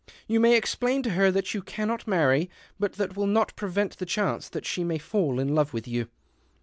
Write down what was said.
You may explain to her that you cannot marry, but that will not prevent the chance that she may fall in love with you."